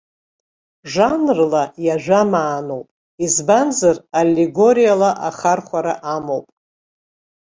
Жанрла иажәамааноуп, избанзар аллегориала ахархәара амоуп.